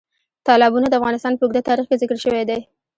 تالابونه د افغانستان په اوږده تاریخ کې ذکر شوی دی.